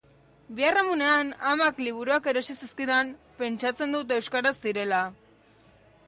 Biharamunean, amak liburuak erosi zizkidan, pentsatzen dut euskaraz zirela.